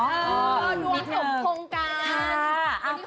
ดวงสมคงกันด้วยนินเติม